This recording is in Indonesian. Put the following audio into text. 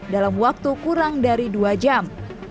dalam waktu kurang dari dua jam